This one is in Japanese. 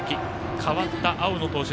代わった青野の投球。